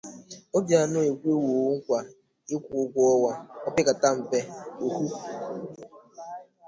Obianọ Ekwenwòó Nkwà Ịkwụ Ụgwọ Ọnwa Opekata Mpe Ọhụụ